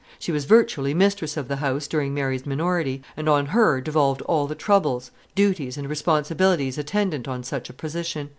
She was virtually mistress of the house during Mary's minority, and on her devolved all the troubles, duties, and responsibilities attendant on such a position.